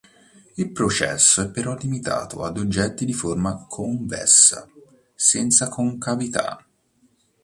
Il processo è però limitato ad oggetti di forma convessa senza concavità.